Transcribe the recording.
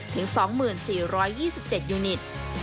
ถึง๒๔๒๗ยูนิต